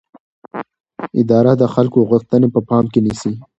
اداره د خلکو غوښتنې په پام کې نیسي.